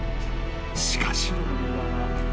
しかし］